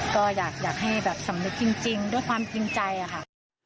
ก็อยากให้แบบสำนึกจริงด้วยความจริงใจค่ะ